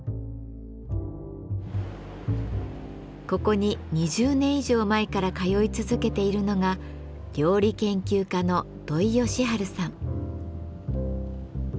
ここに２０年以上前から通い続けているのが料理研究家の土井善晴さん。